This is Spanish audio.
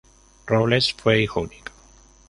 Robles fue hijo único.